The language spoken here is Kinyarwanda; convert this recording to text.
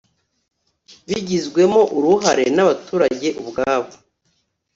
bigizwemo uruhare n’abaturage ubwabo